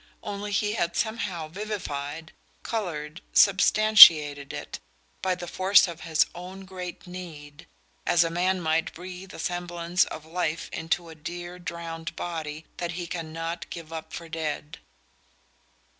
Only he had somehow vivified, coloured, substantiated it, by the force of his own great need as a man might breathe a semblance of life into a dear drowned body that he cannot give up for dead.